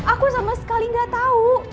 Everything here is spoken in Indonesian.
aku sama sekali nggak tahu